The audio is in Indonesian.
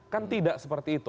kan tidak seperti itu